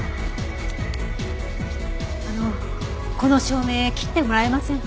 あのこの照明切ってもらえませんか？